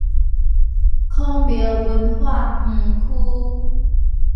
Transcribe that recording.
孔廟文化園區